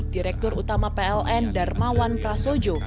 direktur utama peln darmawan prasojo